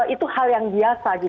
itu hal yang biasa